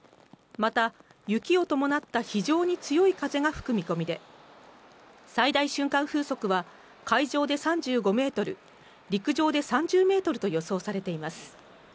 また雪を伴った非常に強い風が吹く見込みで、最大瞬間風速は海上で３５ｍ、陸上で３０ｍと予想されています。